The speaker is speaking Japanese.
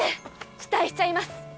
期待しちゃいます。